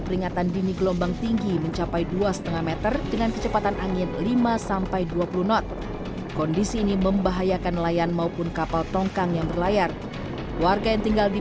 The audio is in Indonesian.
lima dua puluh knot kondisi ini membahayakan layan maupun kapal tongkang yang berlayar warga yang tinggal di